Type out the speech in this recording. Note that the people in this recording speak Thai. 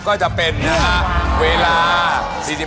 ก็จะเป็นเวลา๔๕วิ